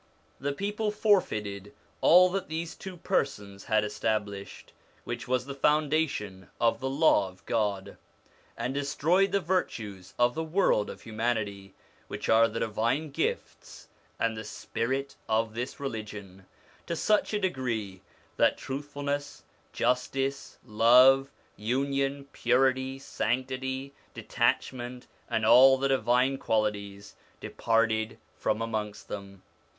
The people forfeited all that these two persons had established, which was the foundation of the Law of God, and destroyed the virtues of the world of humanity, which are the divine gifts and the spirit of this religion, to such a degree, that truthfulness, justice, love, union, purity, sanctity, detachment, and all the divine qualities, departed from amongst them.